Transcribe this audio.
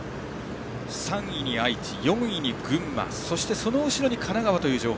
３位に愛知、４位に群馬そして、その後ろに神奈川という情報。